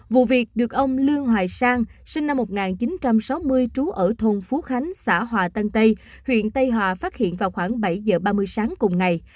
vụ việc được ông lương hoài sang sinh năm một nghìn chín trăm sáu mươi trú ở thôn phú khánh xã hòa tân tây huyện tây hòa phát hiện vào khoảng bảy giờ ba mươi sáng cùng ngày